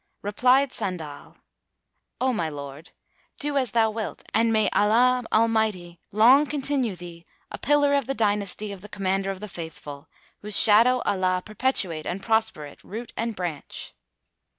Replied Sandal, "O my lord, do as thou wilt and may Allah Almighty long continue thee a pillar of the dynasty of the Commander of the Faithful, whose shadow Allah perpetuate [FN#238] and prosper it, root and branch!"